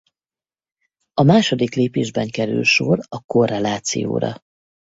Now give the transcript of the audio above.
A második lépésben kerül sor a korrelációra.